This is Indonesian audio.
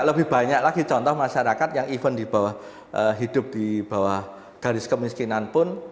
lebih banyak lagi contoh masyarakat yang even di bawah hidup di bawah garis kemiskinan pun